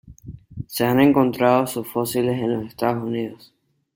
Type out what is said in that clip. Se han encontrado sus fósiles en los Estados Unidos.